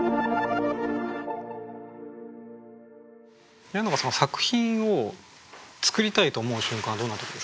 宮永さんは作品を作りたいと思う瞬間はどんな時ですか？